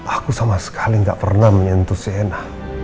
aku sama sekali gak pernah menyentuh seenak